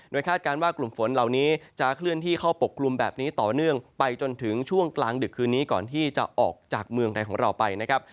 คาดการณ์ว่ากลุ่มฝนเหล่านี้จะเคลื่อนที่เข้าปกกลุ่มแบบนี้ต่อเนื่องไปจนถึงช่วงกลางดึกคืนนี้ก่อนที่จะออกจากเมืองไทยของเราไปนะครับ